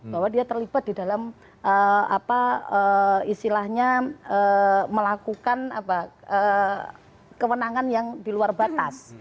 bahwa dia terlibat di dalam apa istilahnya melakukan apa kewenangan yang diluar batas